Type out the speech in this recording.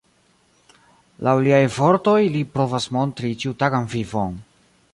Laŭ liaj vortoj li provas montri ĉiutagan vivon.